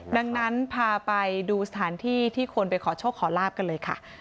ดังนั้นพาไปดูสถานที่ที่คนไปขอโชคขอลาบกันเลยค่ะ